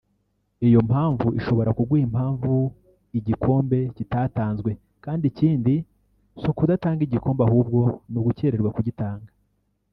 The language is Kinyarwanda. Iyo mpamvu ishobora kuguha impamvu igikombe kitatanzwe kandi ikindi si ukudatanga igikombe ahubwo ni ugukererwa kugitanga